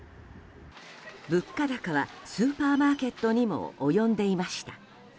物価高はスーパーマーケットにも及んでいました。